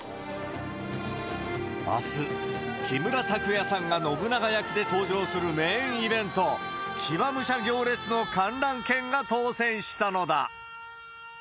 あす、木村拓哉さんが信長役で登場するメインイベント、騎馬武者行列の観覧券が当せんしたのだ。